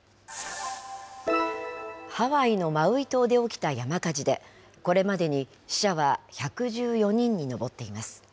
ハワイのマウイ島で起きた山火事で、これまでに死者は１１４人に上っています。